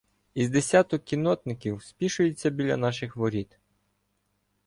Із десяток кіннотників спішується біля наших воріт.